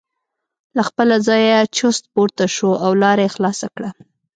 له خپله ځایه چست پورته شو او لاره یې خلاصه کړه.